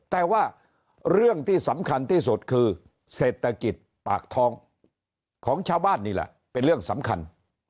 แต่ว่าเรื่องที่สำคัญที่สุดคือเศรษฐกิจปากท้องของชาวบ้านนี่แหละเป็นเรื่องสำคัญ